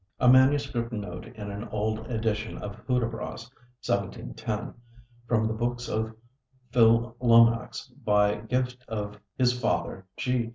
A manuscript note in an old edition of 'Hudibras,' 1710, "from the books of Phil. Lomax by gift of his father, G.